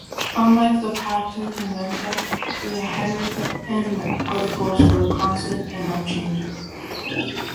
Unlike the "pacta conventa", the Henrician Articles were constant and unchanging.